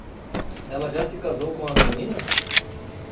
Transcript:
Ela já se casou com a menina?